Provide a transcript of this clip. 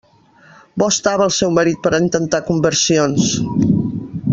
Bo estava el seu marit per a intentar conversions!